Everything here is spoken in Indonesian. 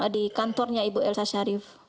di kantornya ibu elsa sharif